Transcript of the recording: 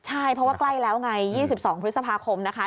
ใช่เพราะว่าใกล้แล้วไง๒๒พฤษภาคมนะคะ